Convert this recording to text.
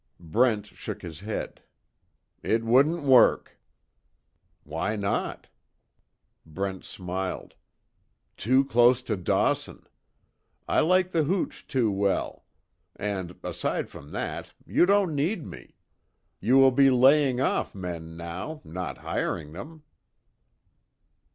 Brent shook his head: "It wouldn't work." "Why not?" Brent smiled: "Too close to Dawson. I like the hooch too well. And, aside from that, you don't need me. You will be laying off men now. Not hiring them."